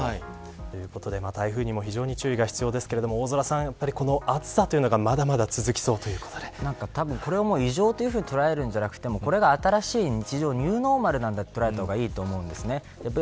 台風にも非常に注意が必要ですが、大空さんこの暑さというのはまだまだ続きそうということで異常というふうに捉えるんじゃなくてこれが新しい日常ニューノーマルなんだという捉えた方がいいと思います。